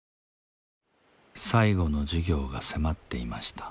最後の授業が迫っていました。